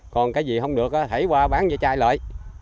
còn cái gì không được hãy qua bán về chai lợi